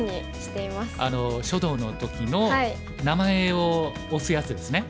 書道の時の名前を押すやつですね。